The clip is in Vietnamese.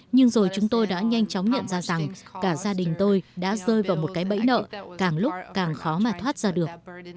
nhưng rồi chúng tôi đã nhanh chóng nhận ra rằng cả gia đình tôi đã rơi vào một cái bẫy nợ càng lúc càng khó mà thoát ra được